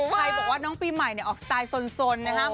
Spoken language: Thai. ใครบอกว่าน้องปีใหม่ออกสไตล์สนนะครับ